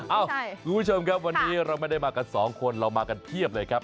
เอ้าคุณผู้ชมครับวันนี้เราไม่ได้มากันสองคนเรามากันเพียบเลยครับ